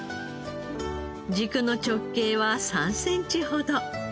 軸の直径は３センチほど。